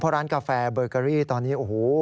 เพราะร้านกาแฟเบอร์เกอรี่ตอนนี้โอ้โห